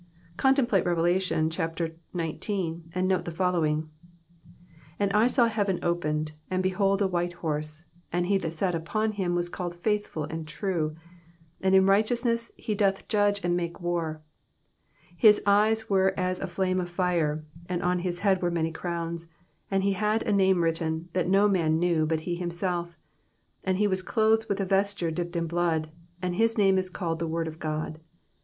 Contemplate Rev. xix. and note the following :—" And I saw heaven opened, and behold a white horse ; and he that sat upon him was called Faithful and True, and in righteousness he doth judge and make war. His eyes were as a flame of fire, and on his head were many crowns ; and he had a name written, that no man knew, but he himself. And he was clothed with a vesture dipped in blood ; and his name is called The Word of God. ....